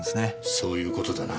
そういう事だな。